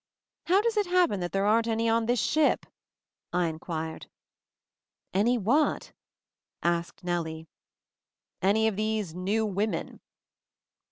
"How does it happen that there aren't any on this ship?" I inquired. 'Any what?" asked Nellie. 'Any of these — New Women?"